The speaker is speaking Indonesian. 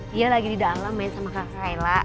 dia lagi di dalam main sama kakak kayla